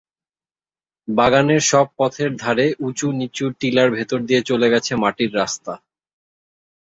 বাগানের সব পথের ধারে উঁচু-নিচু টিলার ভেতর দিয়ে চলে গেছে মাটির রাস্তা।